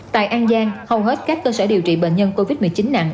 tại an giang hầu hết các cơ sở điều trị bệnh nhân covid một mươi chín nặng